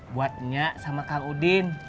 buatnya sama kak udin